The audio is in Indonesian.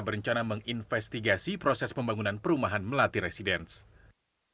berencana menginvestigasi proses pembangunan perumahan melati residence